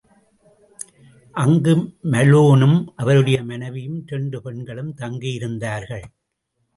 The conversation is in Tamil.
அங்கு மலோனும், அவருடைய மனைவியும், இரண்டு பெண்களும் தங்கியிருந்தார்கள்.